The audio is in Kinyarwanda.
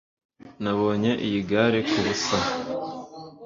Nabonye iyi gare kubusa